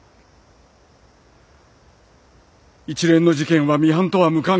一連の事件はミハンとは無関係。